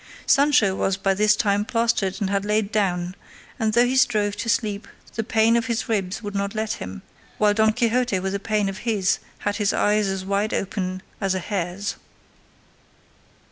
Sancho was by this time plastered and had lain down, and though he strove to sleep the pain of his ribs would not let him, while Don Quixote with the pain of his had his eyes as wide open as a hare's.